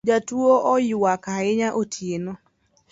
Jatuo oyuak ahinya otieno